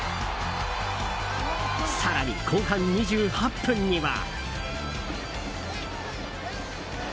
更に後半２８分には。